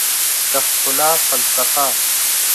د ښکلا فلسفه